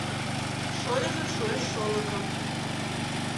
Шольыжо шуэш шолыкым.